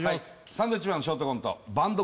サンドウィッチマンのショートコント